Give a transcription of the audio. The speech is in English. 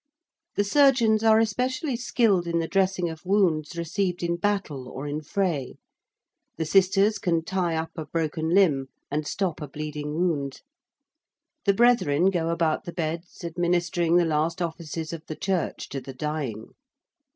The surgeons are especially skilled in the dressing of wounds received in battle or in fray: the sisters can tie up a broken limb and stop a bleeding wound. The brethren go about the beds administering the last offices of the Church to the dying.